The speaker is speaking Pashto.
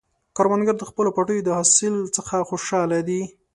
کروندګر د خپلو پټیو د حاصل څخه خوشحال دی